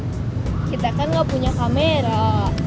kita kan nggak punya kamera